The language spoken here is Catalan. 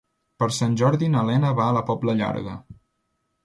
Per Sant Jordi na Lena va a la Pobla Llarga.